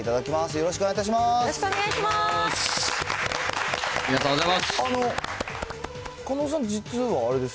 よろしくお願いします。